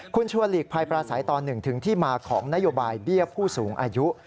คุณชัวร์หลีกภัยปราศัยตอน๑ถึงที่มาของนโยบายเบี้ยผู้สูงอายุ